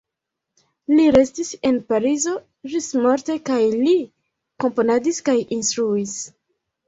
Li restis en Parizo ĝismorte kaj li komponadis kaj instruis.